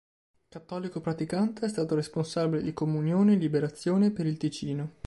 Cattolico praticante, è stato responsabile di Comunione e Liberazione per il Ticino.